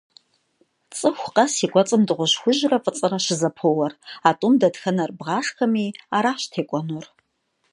Цӏыху къэс и кӏуэцӏым дыгъужь хужьрэ фӏыцӏэрэ щызэпоуэр. А тӏум дэтхэнэр бгъашхэми, аращ текӏуэнур.